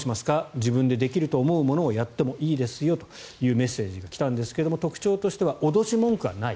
自分でできると思うものをやってもいいですよというメッセージが来たんですが特徴としては脅し文句はない。